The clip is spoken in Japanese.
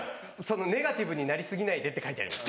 ネガティブになり過ぎないでって書いてありました。